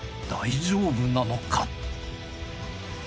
大丈夫なのか？